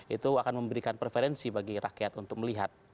itu akan memberikan preferensi bagi rakyat untuk melihat